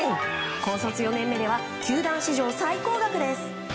高卒４年目では球団史上最高額です。